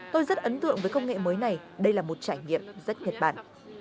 tôi rất ấn tượng với công nghệ mới này đây là một trải nghiệm rất nhật bản